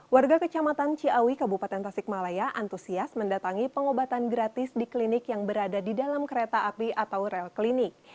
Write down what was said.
warga kecamatan ciawi kabupaten tasikmalaya antusias mendatangi pengobatan gratis di klinik yang berada di dalam kereta api atau rel klinik